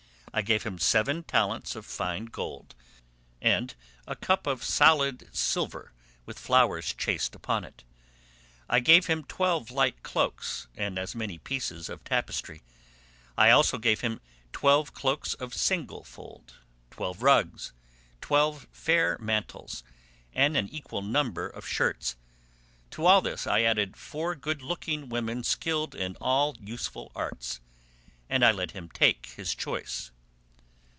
I gave him seven talents of fine gold, and a cup of solid silver with flowers chased upon it. I gave him twelve light cloaks, and as many pieces of tapestry; I also gave him twelve cloaks of single fold, twelve rugs, twelve fair mantles, and an equal number of shirts. To all this I added four good looking women skilled in all useful arts, and I let him take his choice."